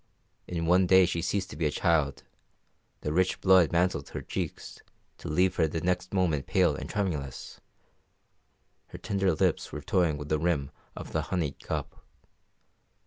In one day she ceased to be a child; the rich blood mantled her cheeks, to leave her the next moment pale and tremulous; her tender lips were toying with the rim of the honeyed cup.